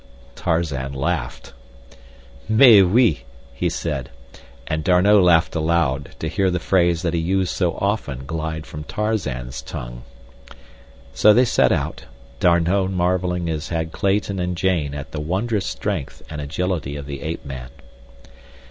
Tarzan laughed. "Mais oui," he said, and D'Arnot laughed aloud to hear the phrase that he used so often glide from Tarzan's tongue. So they set out, D'Arnot marveling as had Clayton and Jane at the wondrous strength and agility of the apeman.